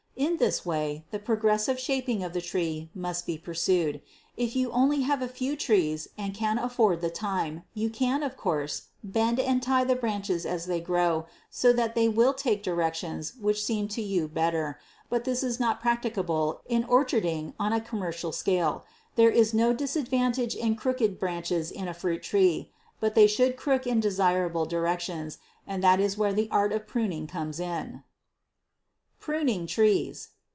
In this way the progressive shaping of the tree must be pursued. If you only have a few trees and can afford the time, you can, of course, bend and tie the branches as they grow, so that they will take directions which seem to you better, but this is not practicable in orcharding on a commercial scale. There is no disadvantage in crooked branches in a fruit tree, but they should crook in desirable directions, and that is where the art in pruning comes in. Pruning Times.